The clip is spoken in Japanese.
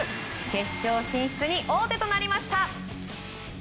決勝進出に王手となりました。